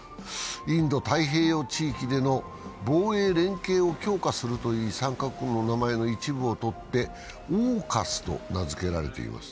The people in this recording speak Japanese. インド太平洋地域での防衛連携を強化するという３か国の名前の一部を取ってＡＵＫＵＳと名付けられています。